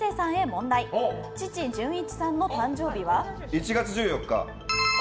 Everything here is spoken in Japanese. １月１４日。